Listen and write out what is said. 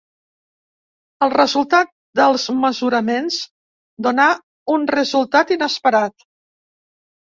El resultat dels mesuraments donà un resultat inesperat.